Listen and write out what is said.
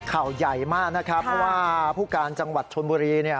ข่าวใหญ่มากนะครับเพราะว่าผู้การจังหวัดชนบุรีเนี่ย